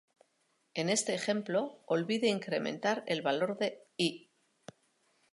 En este ejemplo olvide incrementar el valor de "i".